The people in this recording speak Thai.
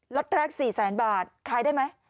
็อตแรก๔แสนบาทขายได้ไหม